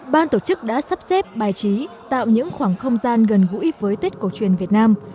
ban tổ chức đã sắp xếp bài trí tạo những khoảng không gian gần gũi với tết cổ truyền việt nam